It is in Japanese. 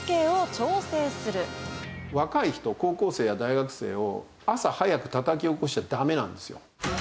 若い人高校生や大学生を朝早くたたき起こしちゃダメなんですよ。